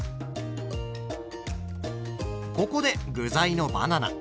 ここで具材のバナナ。